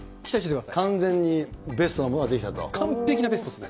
完全にベストなものが出来た完璧なベストですね。